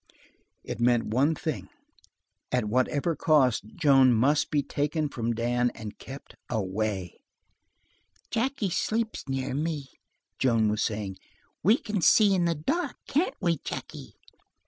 It meant one thing: at whatever cost, Joan must be taken from Dan and kept Away. "Jackie sleeps near me," Joan was saying. "We can see in the dark, can't we, Jackie?"